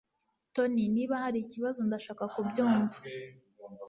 Tony niba hari ikibazo ndashaka kubyumva